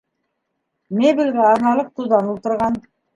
Мебелгә аҙналыҡ туҙан ултырған